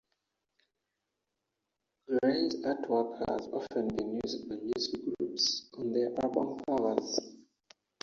Grey's artwork has often been used by music groups on their album covers.